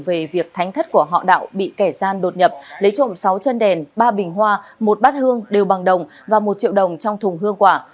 về việc thánh thất của họ đạo bị kẻ gian đột nhập lấy trộm sáu chân đèn ba bình hoa một bát hương đều bằng đồng và một triệu đồng trong thùng hương quả